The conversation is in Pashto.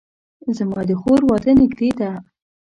زما د خور واده نږدې ده